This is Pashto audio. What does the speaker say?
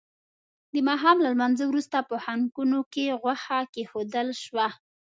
د ماښام له لمانځه وروسته په خانکونو کې غوښه کېښودل شوه.